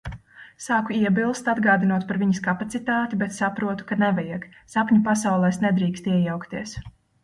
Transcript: Sāku iebilst, atgādinot par viņas kapacitāti, bet saprotu, ka nevajag. Sapņu pasaulēs nedrīkst iejaukties.